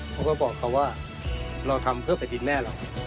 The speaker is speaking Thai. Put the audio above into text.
เขาก็บอกเขาว่าเราทำเพื่อแผ่นดินแม่เรา